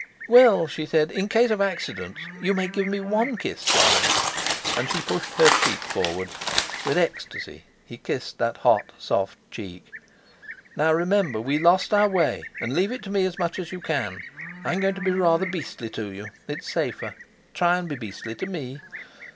"Well," she said, "in case of accidents, you may give me one kiss, Jon," and she pushed her cheek forward. With ecstasy he kissed that hot soft cheek. "Now, remember! We lost our way; and leave it to me as much as you can. I'm going to be rather beastly to you; it's safer; try and be beastly to me!"